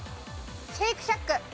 シェイクシャック！